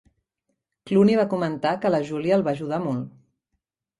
Clooney va comentar que la Julia el va ajudar molt.